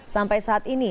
sampai saat ini